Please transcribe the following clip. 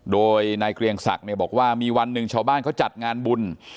โดยนายเกรียงศักดิ์เนี่ยบอกว่ามีวันหนึ่งชาวบ้านเขาจัดงานบุญ